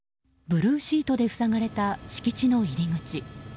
ブルーシートで塞がれた敷地の入り口。